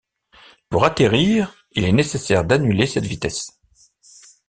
Pour atterrir, il est nécessaire d'annuler cette vitesse.